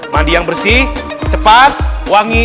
mandi yang bersih cepat wangi